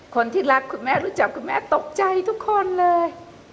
คนที่รักคุณแม่รู้จักคุณแม่ตกใจทุกคนเลย